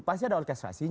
pasti ada orkestrasinya